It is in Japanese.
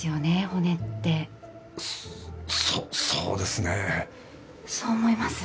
骨ってそそうですねそう思います？